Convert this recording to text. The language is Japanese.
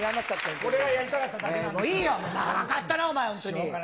これがやりたかっただけなんいいよ、長かったな、お前、本当に。